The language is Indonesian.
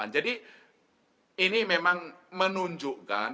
jadi ini memang menunjukkan